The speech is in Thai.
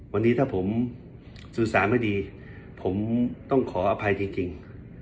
วันนี้ถ้าผมสื่อสารไม่ดีผมต้องขออภัยจริง